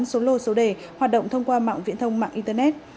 số lô số đề hoạt động thông qua mạng viễn thông mạng internet